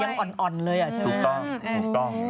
ถูกต้องถูกต้อง